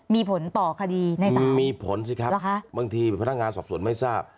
มีผลต่อคดีในศาลมีผลสิครับบางทีพนักงานสอบสวนไม่ทราบ